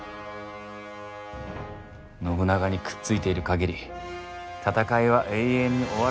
信長にくっついている限り戦いは永遠に終わらん無間地獄じゃ！